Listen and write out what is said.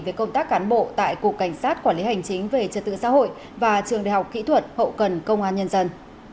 về công tác cán bộ tại cục cảnh sát quản lý hành chính về trật tự xã hội và trường đại học kỹ thuật hậu cần công an nhân dân